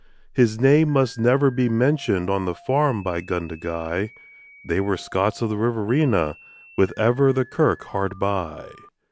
His name must never be mentioned on the farm by Gundagai They were Scots of the Riverina with ever the kirk hard by.